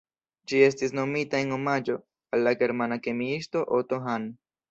Ĝi estis nomita en omaĝo al la germana kemiisto Otto Hahn.